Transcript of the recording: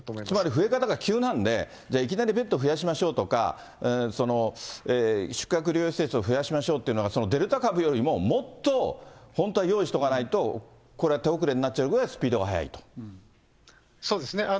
つまり増え方が急なんで、じゃあいきなりベッド増やしましょうとか、宿泊療養施設を増やしましょうというのは、そのデルタ株よりも、もっと本当は用意しておかないと、これは手遅れになっちゃうほどスそうですね。